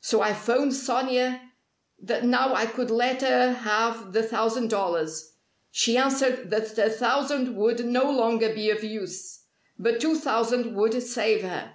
So I 'phoned Sonia that now I could let her have the thousand dollars. She answered that a thousand would no longer be of use. But two thousand would save her.